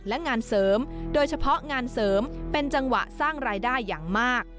และงานเสริมโดยเฉพาะงานเสริมเป็นจังหวะสร้างรายได้อย่างมาก